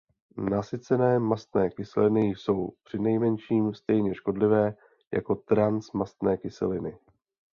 Nasycené mastné kyseliny jsou přinejmenším stejně škodlivé jako transmastné kyseliny.